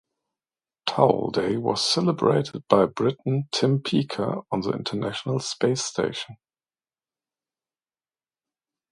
Towel Day was celebrated by Briton Tim Peake on the International Space Station.